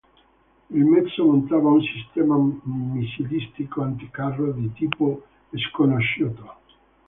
Il mezzo montava un sistema missilistico anticarro di tipo sconosciuto.